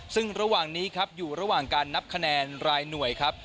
ซึ่งระหว่างนี้ครับอยู่ระหว่างการนับคะแนนรายหน่วยครับ